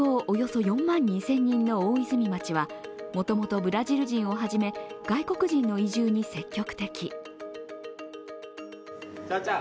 およそ４万２０００人の大泉町は、もともとブラジル人をはじめ、外国人の移住に積極的。